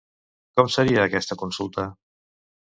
Com seria aquesta consulta?